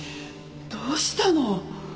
どうしたの？